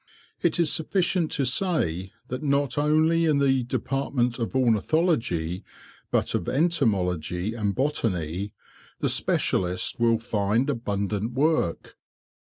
It is sufficient to say that not only in the department of ornithology, but of entomology and botany, the specialist will find abundant work.